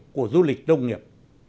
của du lịch nông nghiệp